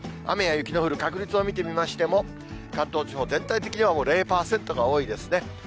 雨や雪の降る確率を見てみましても、関東地方、全体的には０％が多いですね。